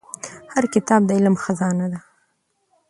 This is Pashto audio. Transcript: هر کتاب د علم خزانه ده.